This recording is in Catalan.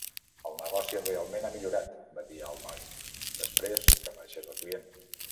"El negoci realment ha millorat", va dir al noi, després que marxés el client.